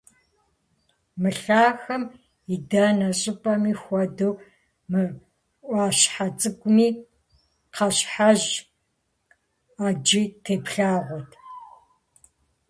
Мы лъахэм и дэнэ щӀыпӀэми хуэдэу, мы Ӏуащхьэ цӀыкӀуми кхъащхьэжь Ӏэджэ теплъагъуэрт…